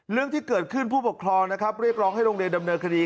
เรื่องที่เกิดขึ้นผู้ปกครองนะครับเรียกร้องให้โรงเรียนดำเนินคดี